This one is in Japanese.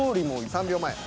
３秒前。